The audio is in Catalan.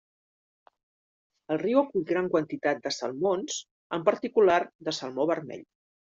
El riu acull gran quantitat de salmons, en particular de salmó vermell.